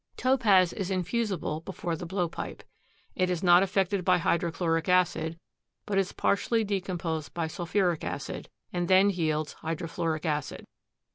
Topaz is infusible before the blowpipe. It is not affected by hydrochloric acid, but is partially decomposed by sulphuric acid and then yields hydrofluoric acid.